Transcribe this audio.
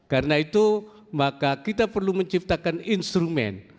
karena itu maka kita perlu menciptakan instrumen